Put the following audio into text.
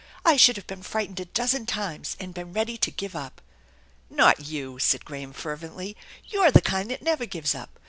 I should have been frightened a dozen times and been ready to give up." " Not you !" said Graham fervently. " You're the kind that never gives up.